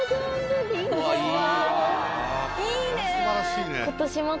いいねぇ！